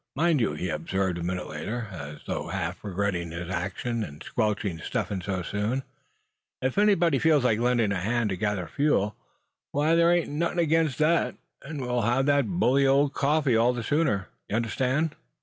"Mind you," he observed a minute later, as though half regretting his action in squelching Step Hen so soon; "if anybody feels like lending a hand to gather fuel, why there ain't nothin' against that; and we'll have that bully old coffee all the sooner, you understand."